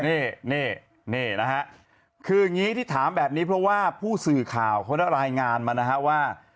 นี่นี่นะฮะคืออย่างนี้ที่ถามแบบนี้เพราะว่าผู้สื่อข่าวเขาได้รายงานมานะฮะว่า